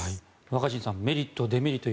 若新さんメリット、デメリット